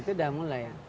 itu udah mulai ya